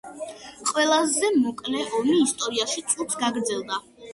ყველაზე მოკლე ომი ისტორიაში წუთს გაგრძელდა.